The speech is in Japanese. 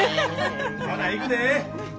ほないくで！